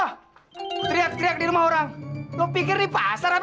ah teriak teriak di rumah orang lo pikir di pasar apa